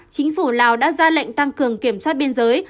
chính phủ lào đã ra lệnh tăng cường kiểm soát biên giới